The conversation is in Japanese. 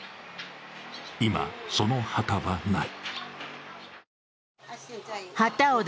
今、その旗はない。